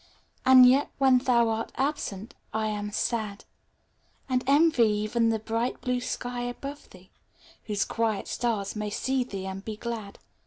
And yet when thou art absent I am sad ; And envy even the bright blue sky above thee, Whose quiet stars may see thee and be glad.